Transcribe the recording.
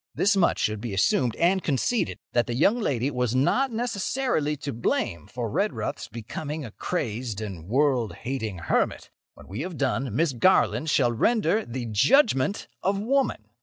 This much should be assumed and conceded—that the young lady was not necessarily to blame for Redruth's becoming a crazed and world hating hermit. When we have done, Miss Garland shall render the JUDGEMENT OF WOMAN.